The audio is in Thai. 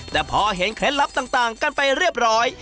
แต่พอเห็นเคล็ดลับต่างกันไปเรียบร้อย